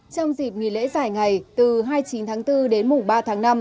trong dịp nghỉ lễ giải ngày từ hai mươi chín tháng bốn đến mùng ba tháng năm